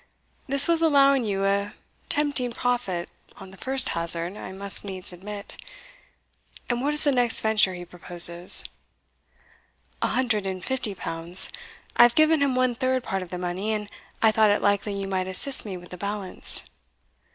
This was allowing you a tempting profit on the first hazard, I must needs admit. And what is the next venture he proposes?" "An hundred and fifty pounds; I have given him one third part of the money, and I thought it likely you might assist me with the balance."